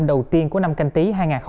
đầu tiên của năm canh tí hai nghìn hai mươi